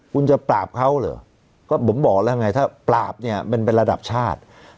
คุณจะปราบเขาเหรอก็ผมบอกแล้วไงถ้าปราบเนี่ยมันเป็นระดับชาติ